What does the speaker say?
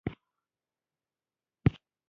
کرپندوکي د هډوکو په شان یو ارتباطي نسج دي.